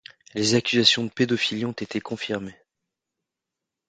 Les accusations de pédophilie ont été confirmées.